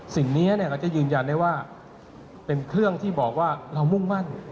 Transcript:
สิ่งนี้เราจะยืนยันได้ว่าเป็นเครื่องที่บอกว่าเรามุ่งมั่น